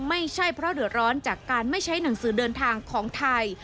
ไม่ใช่เพราะเดือดร้อนจากการไม่ใช้หนังสือเดินทางของไทย